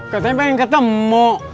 katanya pengen ketemu